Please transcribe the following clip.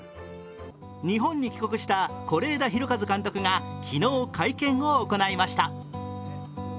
日本に帰国した是枝裕和監督が昨日、会見を行いました。